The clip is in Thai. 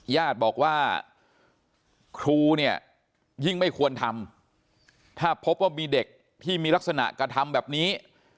ญาติบอกว่าครูเนี่ยยิ่งไม่ควรทำถ้าพบว่ามีเด็กที่มีลักษณะกระทำแบบนี้